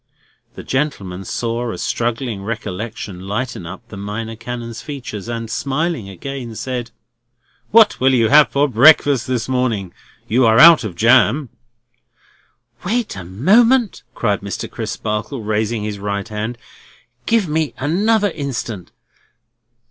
The gentleman saw a struggling recollection lighten up the Minor Canon's features, and smiling again, said: "What will you have for breakfast this morning? You are out of jam." "Wait a moment!" cried Mr. Crisparkle, raising his right hand. "Give me another instant!